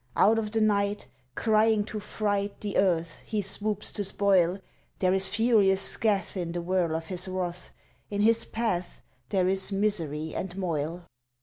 Out of the night Crying to fright The earth he swoops to spoil There is furious scathe in the whirl of his wrath, In his path There is misery and moil.